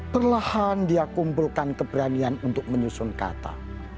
perlahan dia kumpulkan keberanian untuk menyusun kata